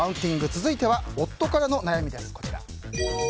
続いては夫からの悩みです。